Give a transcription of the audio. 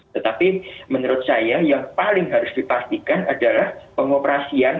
tetapi menurut saya yang paling harus dipastikan adalah pengoperasian